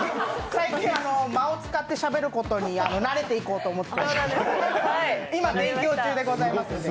最近、間を使ってしゃべることに慣れていこうと思って今、勉強中でございますので。